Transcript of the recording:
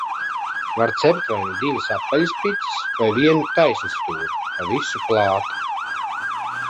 Var cept vai nu divas apaļas picas, vai vienu taisnstūra pa visu plāti.